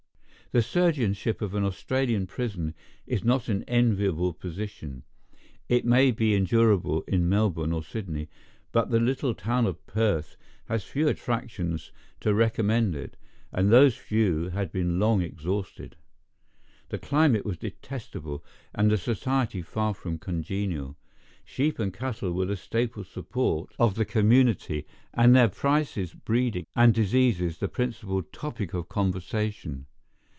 The surgeonship of an Australian prison is not an enviable position. It may be endurable in Melbourne or Sydney, but the little town of Perth has few attractions to recommend it, and those few had been long exhausted. The climate was detestable, and the society far from congenial. Sheep and cattle were the staple support of the community; and their prices, breeding, and diseases the principal topic of conversation.